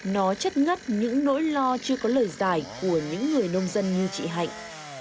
nó chất ngất những nỗi lo chưa có lời giải của những người nông dân như chị hạnh